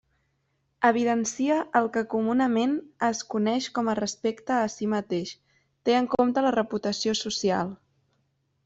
Evidencia el que comunament es coneix com a respecte a si mateix, té en compte la reputació social.